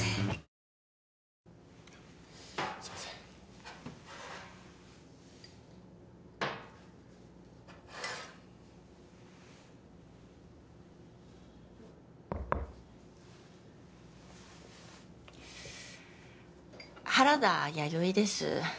はいすいません原田弥生です